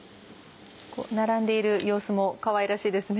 並んでいる様子もかわいらしいですね。